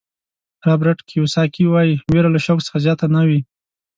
رابرټ کیوساکي وایي وېره له شوق څخه زیاته نه وي.